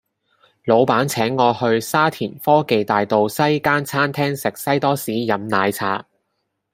老闆請我去沙田科技大道西間餐廳食西多士飲奶茶